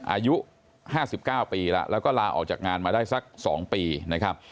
อายุ๕๙ปีแล้วแล้วก็ลาออกจากงานมาได้สัก๒ปีนะครับ